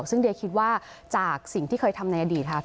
ซึ่งเดียคิดว่าจากสิ่งที่เคยทำในอดีตค่ะ